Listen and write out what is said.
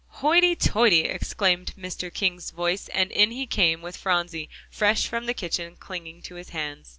"Hoity toity!" exclaimed Mr. King's voice, and in he came, with Phronsie, fresh from the kitchen, clinging to his hand.